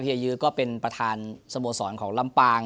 ยื้อก็เป็นประธานสโมสรของลำปาง